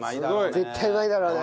絶対うまいだろうね。